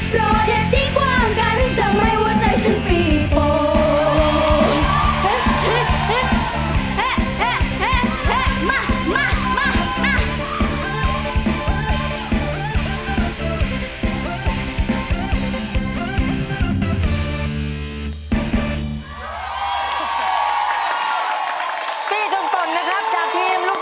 เพราะเด็ดที่กว้างกันทำให้หัวใจฉันปีโปร่ง